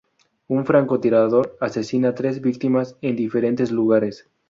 Un francotirador asesina tres víctimas en diferentes lugares.